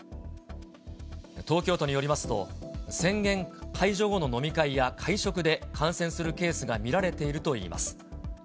東京都によりますと、宣言解除後の飲み会や会食で感染するケースが見られているといいます。